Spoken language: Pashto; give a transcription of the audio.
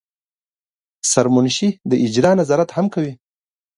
سرمنشي د اجرا نظارت هم کوي.